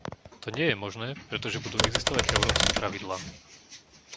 To nie je možné, pretože budú existovať európske pravidlá.